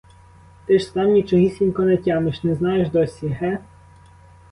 Ти ж сам нічогісінько не тямиш, не знаєш досі, ге?